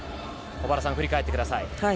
小原さん、振り返ってください。